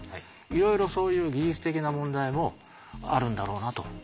いろいろそういう技術的な問題もあるんだろうなと。